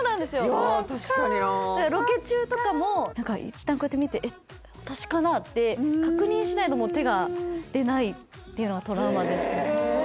いや確かになロケ中とかもいったんこうやって見て「えっ私かな？」って確認しないともう手が出ないっていうのがトラウマですへえ！